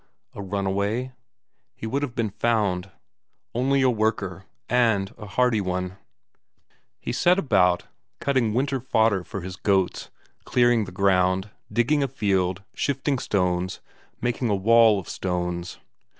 A runaway? He would have been found. Only a worker, and a hardy one. He set about cutting winter fodder for his goats, clearing the ground, digging a field, shifting stones, making a wall of stones.